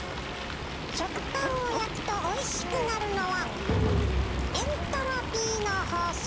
食パンを焼くとおいしくなるのはエントロピーの法則。